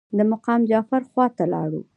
د مقام جعفر خواته لاړو.